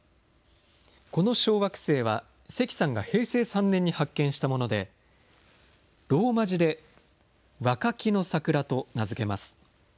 この小惑星は関さんが平成３年に発見したもので、ローマ字で、ワカキノサクラと名付けます。